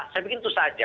saya pikir itu saja